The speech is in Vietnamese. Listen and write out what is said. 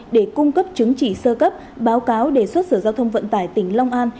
để cung cấp chứng chỉ sơ cấp báo cáo đề xuất sở giao thông vận tải tỉnh long an